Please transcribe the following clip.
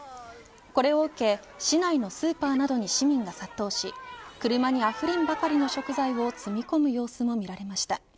これを受け市内のスーパーなどに市民が殺到し車にあふれんばかりの食材を積み込む様子も見られました。